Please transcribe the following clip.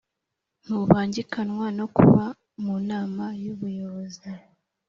ntubangikanywa no kuba mu Nama y Ubuyobozi